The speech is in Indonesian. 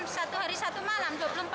satu hari satu malam dua puluh empat jam